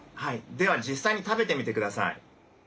では実際に食べてみてください。